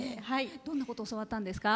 どんなことを教わったんですか？